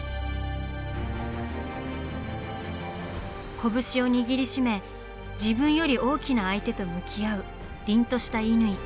拳を握りしめ自分より大きな相手と向き合う凜とした乾。